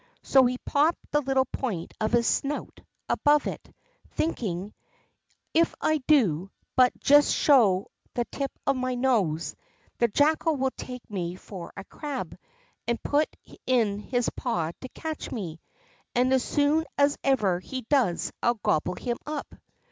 So he popped the little point of his snout above it, thinking: "If I do but just show the tip of my nose, the Jackal will take me for a crab and put in his paw to catch me, and as soon as ever he does I'll gobble him up."